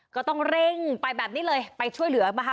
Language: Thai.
ก็ต้องเร่งไปแบบนี้เลยไปช่วยเหลือนะคะ